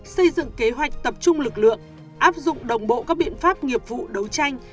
xây dựng kế hoạch tập trung lực lượng áp dụng đồng bộ các biện pháp nghiệp vụ đấu tranh